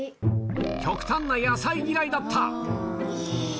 極端な野菜嫌いだった。